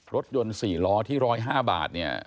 รถยนต์๔ล้อที่๑๐๕บาทเนี่ย